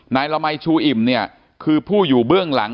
ละมัยชูอิ่มเนี่ยคือผู้อยู่เบื้องหลัง